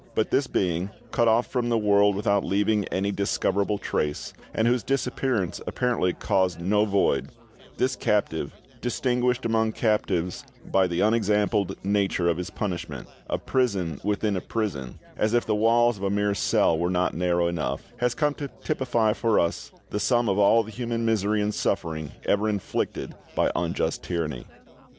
But this being, cut off from the world without leaving any discoverable trace, and whose disappearance apparently caused no void—this captive, distinguished among captives by the unexampled nature of his punishment, a prison within a prison, as if the walls of a mere cell were not narrow enough, has come to typify for us the sum of all the human misery and suffering ever inflicted by unjust tyranny.